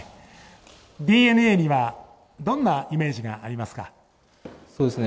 ＤｅＮＡにはどんなイメージがありますか？